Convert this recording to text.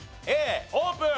Ａオープン！